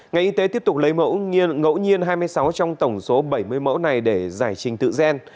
ngành y tế tiếp tục lấy mẫu ngẫu nhiên hai mươi sáu trong tổng số bảy mươi mẫu này để giải trình tự gen